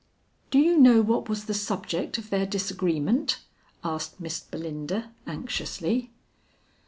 "Do you know what was the subject of their disagreement?" asked Miss Belinda anxiously.